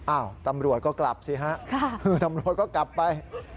อ้าวตำรวจก็กลับสิฮะตำรวจก็กลับไป